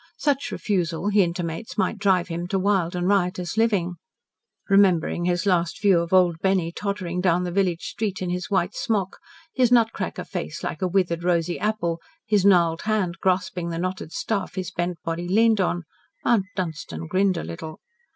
Such refusal, he intimates, might drive him to wild and riotous living. Remembering his last view of old Benny tottering down the village street in his white smock, his nut cracker face like a withered rosy apple, his gnarled hand grasping the knotted staff his bent body leaned on, Mount Dunstan grinned a little.